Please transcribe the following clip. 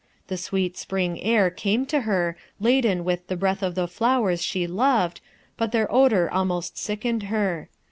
The sweet spring air came to her, laden with the breath of the flowers she loved, but their odor almost sickened her.